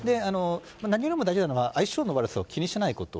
何よりも大事なのは相性の悪さを気にしないこと。